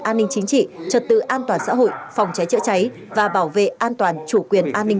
an ninh chính trị trật tự an toàn xã hội phòng cháy chữa cháy và bảo vệ an toàn chủ quyền an ninh